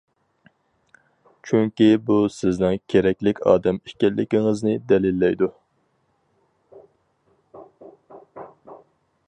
چۈنكى بۇ سىزنىڭ كېرەكلىك ئادەم ئىكەنلىكىڭىزنى دەلىللەيدۇ.